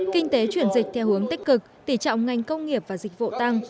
kinh tế chuyển dịch theo hướng tích cực tỉ trọng ngành công nghiệp và dịch vụ tăng